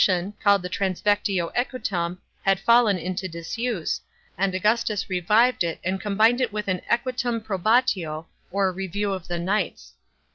41 called the transvectio equitum had fallen into disuse, and Augustus revived it and combined with it an equitum probatio, or " review of the knights."